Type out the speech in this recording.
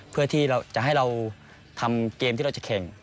เพื่อที่จะให้เราทำเกมที่เราจะแข่ง